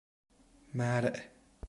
مرء